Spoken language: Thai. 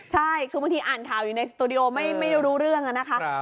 ใช่คือบางทีอ่านข่าวอยู่ในสตูดิโอไม่รู้เรื่องนะคะ